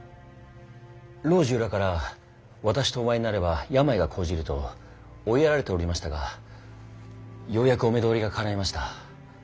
老中らから私とお会いになれば病が嵩じると追いやられておりましたがようやくお目通りがかないました。